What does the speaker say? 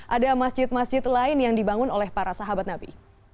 ada masjid masjid lain yang dibangun oleh para sahabat nabi